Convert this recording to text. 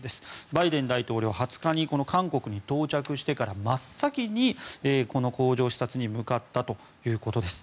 バイデン大統領は２０日に韓国に到着してから真っ先にこの工場視察に向かったということです。